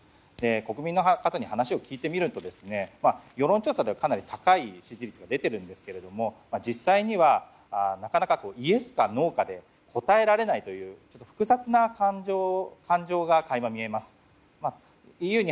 国民の方に話を聞いてみると世論調査ではかなり高い支持率が出ているんですけれども実際にはなかなかイエスかノーかで答えられないという複雑な感情が垣間見えます。